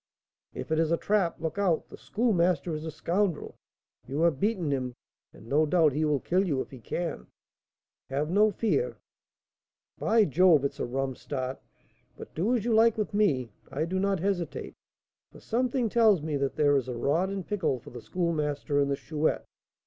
"If it is a trap, look out! The Schoolmaster is a scoundrel. You have beaten him, and, no doubt, he will kill you if he can." "Have no fear." "By Jove! it is a 'rum start;' but do as you like with me. I do not hesitate, for something tells me that there is a rod in pickle for the Schoolmaster and the Chouette.